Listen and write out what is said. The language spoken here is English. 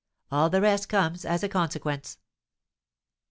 All the rest comes as a consequence.